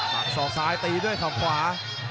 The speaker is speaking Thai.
ปักสองซ้ายตีด้วยเข้าขวา